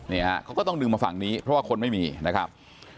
เนี่ยฮะเขาก็ต้องดึงมาฝั่งนี้เพราะว่าคนไม่มีนะครับ